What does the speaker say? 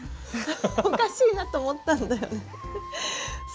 おかしいなと思ったんだよね。